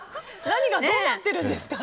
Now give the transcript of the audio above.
何がどうなってるんですか？